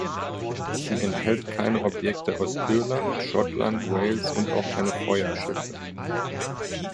Sie enthält keine Objekte aus Irland, Schottland, Wales und auch keine Feuerschiffe.